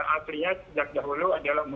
aslinya sejak dahulu adalah muslim